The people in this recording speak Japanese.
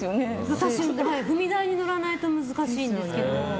私は踏み台に乗らないと難しいですけど。